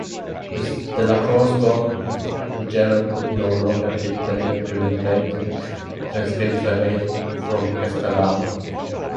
With Dellacroce gone, Ruggiero could no longer keep the incriminating transcripts away from Castellano.